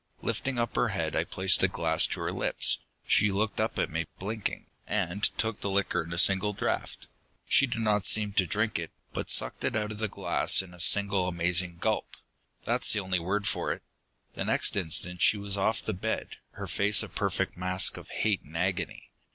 Lifting up her head, I placed the glass to her lips. She looked up me, blinking, and took the liquor in a single draught. She did not seem to drink it, but sucked it out of the glass in a single amazing gulp that's the only word for it. The next instant she was off the bed, her face a perfect mask of hate and agony.